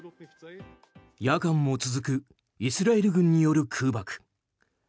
夜間も続くイスラエル軍による空爆。